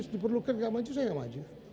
kalau diperlukan nggak maju saya nggak maju